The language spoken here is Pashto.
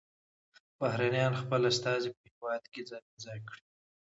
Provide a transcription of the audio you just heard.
بهرنیانو خپل استازي په هیواد کې ځای پر ځای کړي